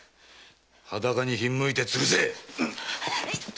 裸にひんむいて吊るせ！